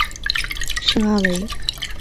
圣阿维。